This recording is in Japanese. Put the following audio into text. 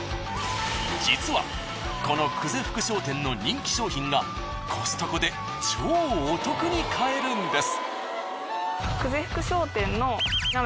実はこの久世福商店の人気商品がコストコで超お得に買えるんです。